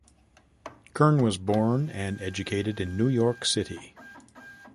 Kern was born and educated in New York City.